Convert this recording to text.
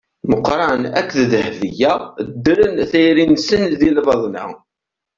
Muqran akked Dehbiya ddren tayri-nsen di lbaḍna.